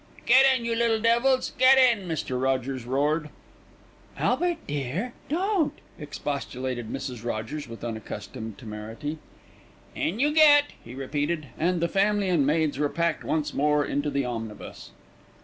"Get in, you little devils, get in!" Mr. Rogers roared. "Albert dear, don't!" expostulated Mrs. Rogers with unaccustomed temerity. "In you get!" he repeated. And the family and maids were packed once more into the omnibus.